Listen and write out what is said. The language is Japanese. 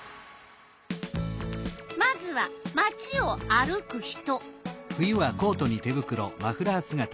まずは町を歩く人。